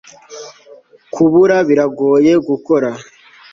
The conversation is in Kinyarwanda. kubura biragoye gukora